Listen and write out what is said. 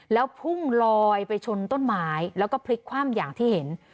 แล้วพุ่งลอยไปชนต้นไม้แล้วก็พลิกคว่ำอย่างที่เห็น